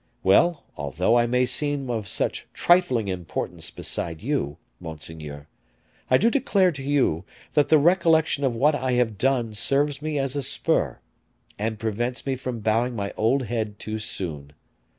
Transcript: Well, although I may seem of such trifling importance beside you, monseigneur, I do declare to you, that the recollection of what I have done serves me as a spur, and prevents me from bowing my old head too soon.